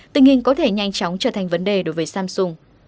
tình hình có thể nhanh chóng trở thành vấn đề đối với samsung